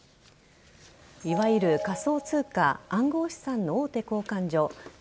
いわゆる仮想通貨＝暗号資産の大手交換所